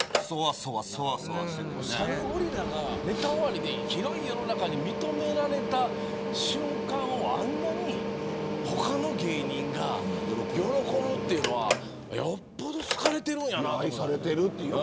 サルゴリラがネタ終わりに広い世の中に認められた瞬間をあんなに他の芸人が喜ぶっていうのはよっぽど好かれてるんやなと。